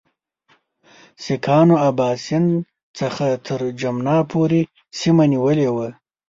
سیکهانو اباسین څخه تر جمنا پورې سیمه نیولې وه.